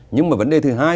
nhưng mà vấn đề thứ hai